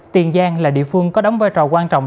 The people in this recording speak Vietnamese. tiền giang là địa phương có đóng vai trò quan trọng